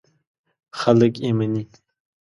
خلک یې مني.